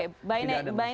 saya kira tidak ada masalah